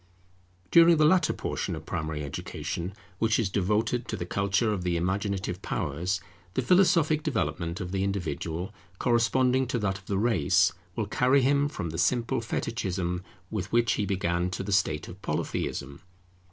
During the latter portion of primary Education, which is devoted to the culture of the imaginative powers, the philosophic development of the individual, corresponding to that of the race, will carry him from the simple Fetichism with which he began to the state of Polytheism.